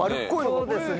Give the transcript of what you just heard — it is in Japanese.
そうですね。